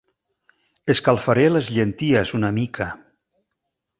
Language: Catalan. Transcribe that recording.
Escalfaré les llenties una mica.